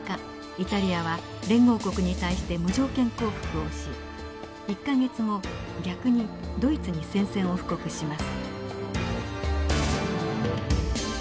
イタリアは連合国に対して無条件降伏をし１か月後逆にドイツに宣戦を布告します。